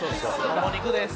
もも肉です！